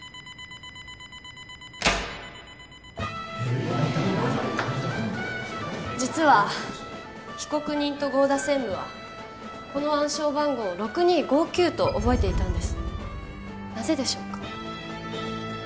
開いた実は被告人と剛田専務はこの暗証番号を６２５９と覚えていたんですなぜでしょうか？